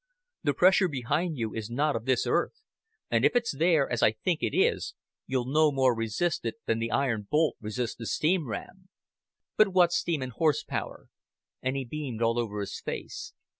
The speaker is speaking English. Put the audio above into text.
The pressure behind you is not of this earth; and if it's there, as I think it is, you'll no more resist it than the iron bolt resists the steam ram. But what's steam and horse power?" And he beamed all over his face.